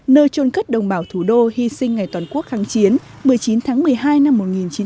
nơi trôn cất đồng bào thủ đô hy sinh ngày toàn quốc kháng chiến một mươi chín tháng một mươi hai năm một nghìn chín trăm bảy mươi năm